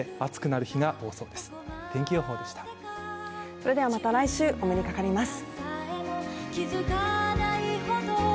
それでは、また来週お目にかかります。